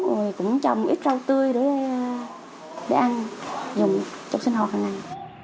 rồi cũng trồng ít rau tươi để ăn dùng trong sinh hồn hằng ngày